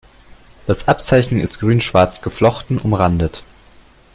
Das Abzeichen ist grün-schwarz geflochten umrandet.